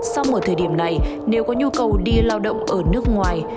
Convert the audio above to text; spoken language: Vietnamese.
sau một thời điểm này nếu có nhu cầu đi lao động ở nước ngoài